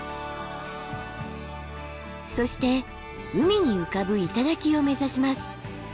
そして海に浮かぶ頂を目指します。